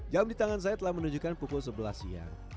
jam di tangan saya telah menunjukkan pukul sebelas siang